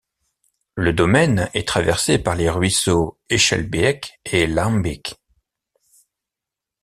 Le domaine est traversé par les ruisseaux Echelbeek et Laambeek.